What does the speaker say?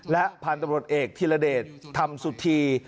และพันธุ์ตำรวจเอกธิรเดชธรรมสุธี